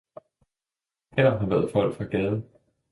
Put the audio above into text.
'Her har været folk fra gaden!